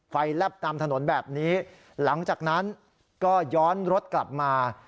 แลบตามถนนแบบนี้หลังจากนั้นก็ย้อนรถกลับมา